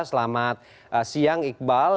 selamat siang iqbal